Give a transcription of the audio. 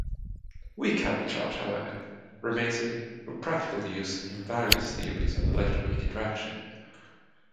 Weak hypercharge, however, remains of practical use in various theories of the electroweak interaction.